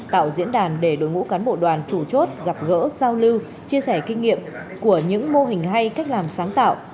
tạo diễn đàn để đối ngũ cán bộ đoàn chủ chốt gặp gỡ giao lưu chia sẻ kinh nghiệm của những mô hình hay cách làm sáng tạo